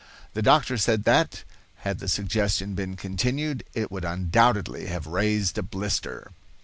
The doctor said that, had the suggestion been continued, it would undoubtedly have raised a blister.